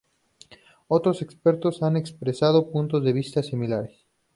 Otros expertos han expresado puntos de vista similares.